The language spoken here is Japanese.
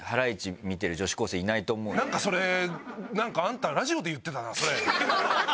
何かそれ何かあんたラジオで言ってたなそれ。